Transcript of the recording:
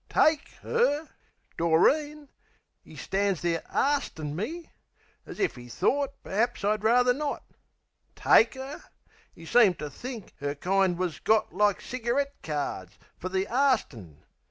TAKE 'er? Doreen? 'E stan's there ARSTIN' me! As if 'e thort per'aps I'd rather not! TAKE 'er? 'E seemed to think 'er kind was got Like cigarette cards, fer the arstin'.